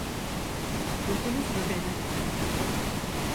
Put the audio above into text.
Duydunuz mu beni?